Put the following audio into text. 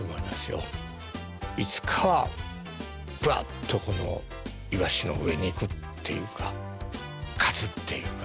いつかはぶわっとイワシの上に行くっていうか勝つっていうか。